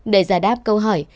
để giải đáp câu hỏi